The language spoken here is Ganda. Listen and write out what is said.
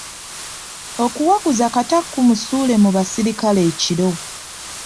Okuwaguza kata kumusuule mu basirikale ekiro.